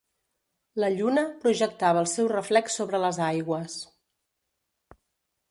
La lluna projectava el seu reflex sobre les aigües.